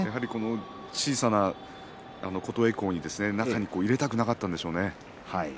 小さな琴恵光に対して中に入れたくなかったんでしょうね。